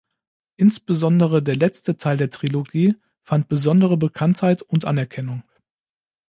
Insbesondere der letzte Teil der Trilogie fand besondere Bekanntheit und Anerkennung.